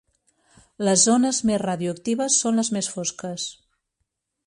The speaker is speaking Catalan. Les zones més radioactives són les més fosques.